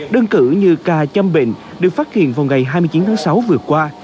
đơn cử như ca châm bệnh được phát hiện vào ngày hai mươi chín tháng sáu vừa qua